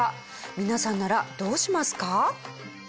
皆さんならどうしますか？